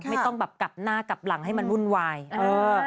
ไม่ต้องแบบกลับหน้ากลับหลังให้มันวุ่นวายเออ